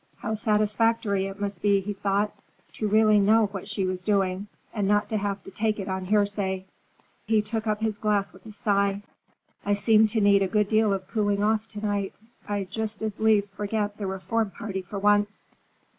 How satisfactory it must be, he thought, to really know what she was doing and not to have to take it on hearsay. He took up his glass with a sigh. "I seem to need a good deal of cooling off to night. I'd just as lief forget the Reform Party for once.